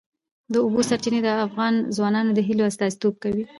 د اوبو سرچینې د افغان ځوانانو د هیلو استازیتوب کوي.